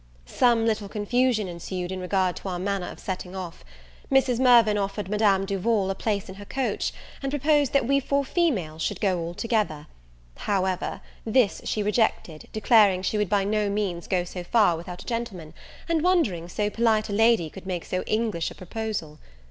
Some little confusion ensued in regard to our manner of setting off. Mrs. Mirvan offered Madame Duval a place in her coach, and proposed that we four females should go all together; however, this she rejected, declaring she would by no means go so far without a gentleman, and wondering so polite a lady could make so English a proposal.